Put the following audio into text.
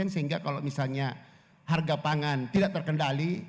sehingga kalau misalnya harga pangan tidak terkendali